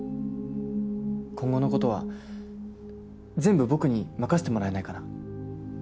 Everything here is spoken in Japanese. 今後のことは全部僕に任せてもらえないかな。